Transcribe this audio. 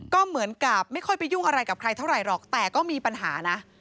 ก็เหมือนกับไม่ค่อยไปยุ่งอะไรกับใครเท่าไหร่หรอกแต่ก็มีปัญหานะ